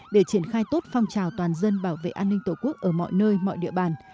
để triển khai tốt phong trào toàn dân bảo vệ an ninh tổ quốc ở mọi nơi mọi địa bàn